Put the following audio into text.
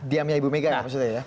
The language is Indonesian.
diamnya ibu mega ya maksudnya ya